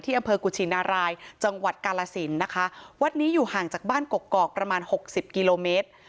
อำเภอกุชินารายจังหวัดกาลสินนะคะวัดนี้อยู่ห่างจากบ้านกกอกประมาณหกสิบกิโลเมตร